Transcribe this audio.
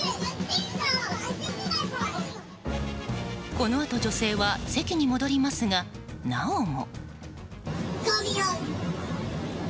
このあと女性は席に戻りますがなおも。